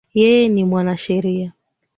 Yeye ni mwanasheria